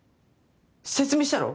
説明したろ？